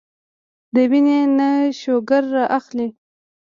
د وينې نه شوګر را اخلي